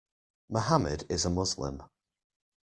Mohammed is a Muslim.